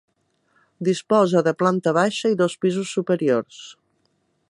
Disposa de planta baixa i dos pisos superiors.